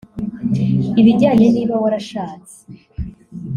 ibijyanye niba warashatse